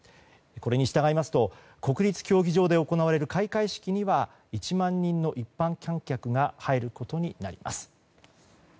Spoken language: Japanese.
これに従いますと国立競技場で行われる開会式には１万人の一般観客が入ることになります。